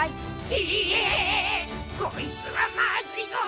ひえ！こいつはまずいぞ。